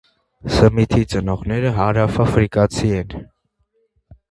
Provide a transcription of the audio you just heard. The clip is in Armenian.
Սմիթի ծնողները հարավաֆրիկացի են։